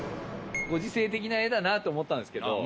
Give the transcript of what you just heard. ご時世的な絵だなと思ったんですけど。